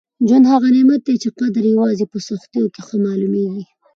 ژوند هغه نعمت دی چي قدر یې یوازې په سختیو کي ښه معلومېږي.